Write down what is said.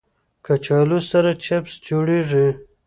کچالو سره چپس جوړېږي